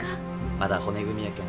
まだ骨組みやけん。